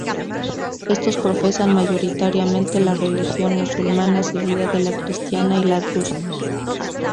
Estos profesan mayoritariamente la religión musulmana, seguida de la cristiana y la drusa.